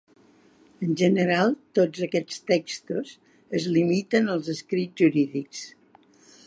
En general, tots aquests textos es limiten als escrits jurídics.